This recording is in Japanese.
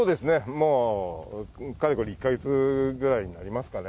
もうかれこれ１か月ぐらいになりますかね。